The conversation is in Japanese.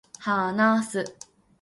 話す、